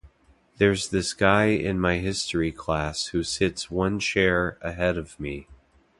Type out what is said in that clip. There’s this guy in my history class who sits one chair ahead of me.